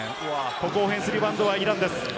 ここ、オフェンスリバウンドはイランです。